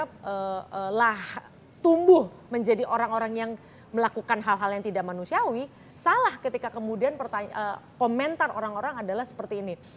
karena tumbuh menjadi orang orang yang melakukan hal hal yang tidak manusiawi salah ketika kemudian komentar orang orang adalah seperti ini